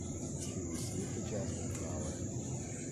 She received a jasmine flower.